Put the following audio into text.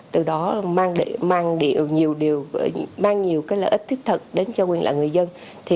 từ đó mang nhiều lợi ích thiết thật đến cho nguyên lạc người dân